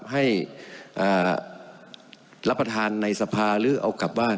ให้รับประทานในสภาหรือเอากลับบ้าน